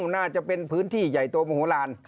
น่าจะเป็นพื้นที่ใหญ่โตโมโหลาน